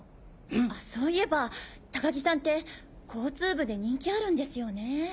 そういえば高木さんって交通部で人気あるんですよね。